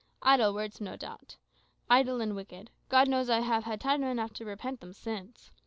Idle words, no doubt idle and wicked. God knows, I have had time enough to repent them since.